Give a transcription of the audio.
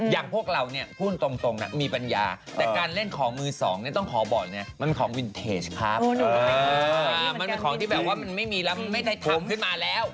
มันเป็นของที่แบบว่ามันไม่มีแล้วมันไม่ได้ถ่ำขึ้นมาแล้ว